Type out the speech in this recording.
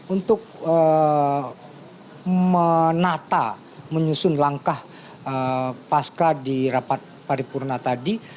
untuk menata menyusun langkah pasca di rapat paripurna tadi